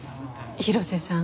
広瀬さん